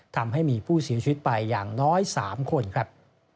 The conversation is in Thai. ทำให้มีผู้เสียชีวิตไปอย่างน้อย๓คนครับ